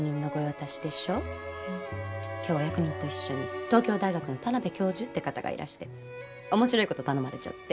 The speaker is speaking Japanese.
今日お役人と一緒に東京大学の田邊教授って方がいらして面白いこと頼まれちゃって。